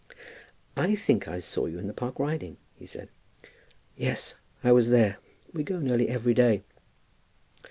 "I think I saw you in the Park riding?" he said. "Yes, I was there; we go nearly every day."